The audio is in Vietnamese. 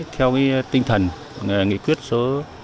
theo tinh thần nghị quyết số hai mươi một